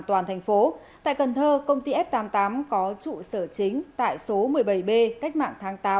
tp hcm tại cần thơ công ty f tám mươi tám có trụ sở chính tại số một mươi bảy b cách mạng tháng tám